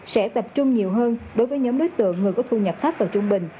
sẽ tập trung nhiều hơn đối với nhóm đối tượng người có thu nhập thấp từ trung bình